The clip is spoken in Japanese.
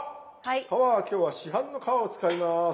皮は今日は市販の皮を使います。